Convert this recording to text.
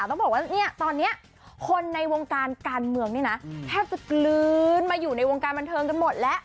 ต้องบอกว่าเนี่ยตอนนี้คนในวงการการเมืองนี่นะแทบจะกลืนมาอยู่ในวงการบันเทิงกันหมดแล้ว